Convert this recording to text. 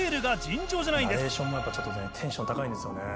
ナレーションもやっぱちょっとねテンション高いんですよね。